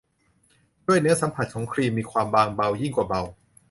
ด้วยเนื้อสัมผัสของครีมมีความบางเบายิ่งกว่าเบา